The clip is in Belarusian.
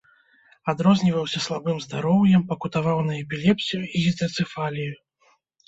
Адрозніваўся слабым здароўем, пакутаваў на эпілепсію і гідрацэфалію.